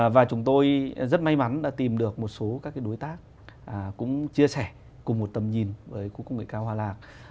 và chúng tôi rất may mắn đã tìm được một số các đối tác cũng chia sẻ cùng một tầm nhìn với khu công nghệ cao hòa lạc